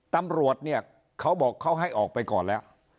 ตำรวจเนี่ยเขาบอกเขาให้ออกไปก่อนแล้ว